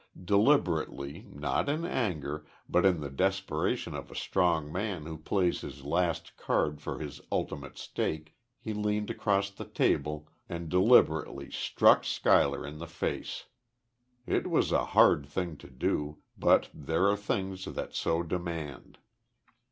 Deliberately, not in anger, but in the desperation of a strong man who plays his last card for his ultimate stake, he leaned across the table and deliberately struck Schuyler in the face. It was a hard thing to do; but there are things that so demand.